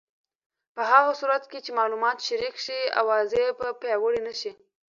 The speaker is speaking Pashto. په هغه صورت کې چې معلومات شریک شي، اوازې به پیاوړې نه شي.